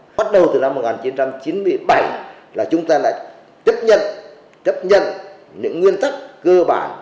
bắt đầu từ năm một nghìn chín trăm chín mươi bảy là chúng ta đã chấp nhận những nguyên thất cơ bản